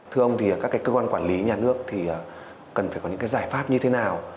thưa ông thì các cái cơ quan quản lý nhà nước thì cần phải có những cái giải pháp như thế nào